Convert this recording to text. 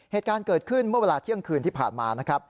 เหตุการณ์เกิดขึ้นเมื่อเวลาเที่ยงคืนที่ผ่านมานะครับ